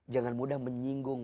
jangan mudah menyinggung